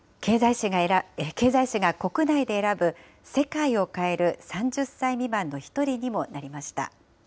経済誌が国内で選ぶ、世界を変える３０歳未満の一人にもなりました。